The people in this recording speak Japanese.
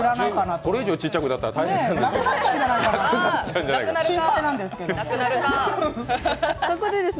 それ以上ちっちゃくなったら大変ですからね。